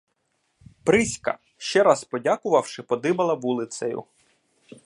Пріська, ще раз подякувавши, подибала вулицею.